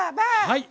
はい！